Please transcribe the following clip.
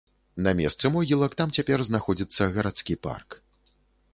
На месцы могілак там цяпер знаходзіцца гарадскі парк.